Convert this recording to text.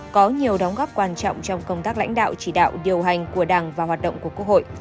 có nhiều đóng góp quan trọng trong công tác lãnh đạo chỉ đạo điều hành của đảng và hoạt động của quốc hội